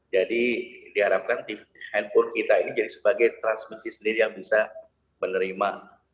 jadi diharapkan handphone kita ini jadi sebagai transmisi sendiri yang bisa menerima